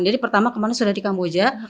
jadi pertama kemana sudah di kamboja